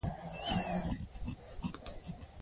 ګړه کلکه ادا کېږي.